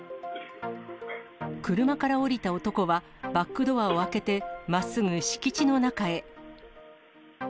車から降りた男は、バックドアを開けて、まっすぐ敷地の中へ。